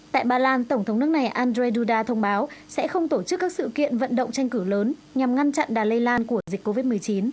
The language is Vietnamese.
tại ba lan tổng thống nước này andrzej duda thông báo sẽ không tổ chức các sự kiện vận động tranh cử lớn nhằm ngăn chặn đà lây lan của dịch covid một mươi chín